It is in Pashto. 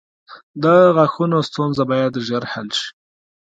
• د غاښونو ستونزه باید ژر حل شي.